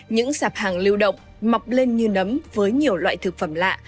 những sạp hàng lưu động mọc lên như nấm với nhiều loại thực phẩm lạ